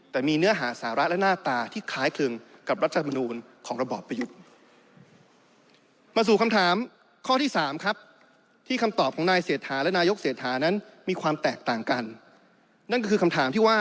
แต่มีเนื้อหาสาระและหน้าตาที่คล้ายคลึงกับรัฐธรรมนูลของระบอบประยุทธ์